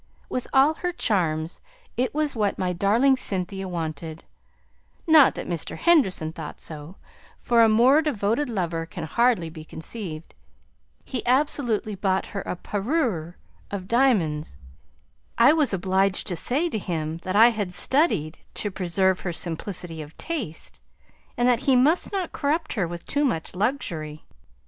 With all her charms, it was what my darling Cynthia wanted; not that Mr. Henderson thought so, for a more devoted lover can hardly be conceived. He absolutely bought her a parure of diamonds. I was obliged to say to him that I had studied to preserve her simplicity of taste, and that he must not corrupt her with too much luxury.